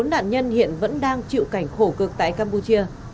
bốn nạn nhân hiện vẫn đang chịu cảnh khổ cực tại campuchia